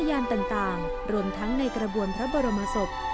ยานต่างรวมทั้งในกระบวนพระบรมศพ